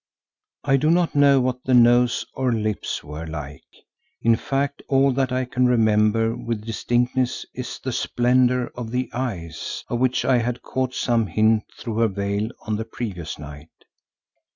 I do not know what the nose or the lips were like; in fact, all that I can remember with distinctness is the splendour of the eyes, of which I had caught some hint through her veil on the previous night.